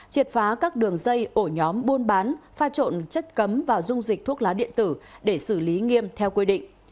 triệt phá các đường dây ổ nhóm buôn bán pha trộn chất cấm và dung dịch thuốc lá điện tử để xử lý nghiêm theo quy định